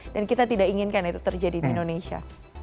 dan kita tidak inginkan itu terjadi di indonesia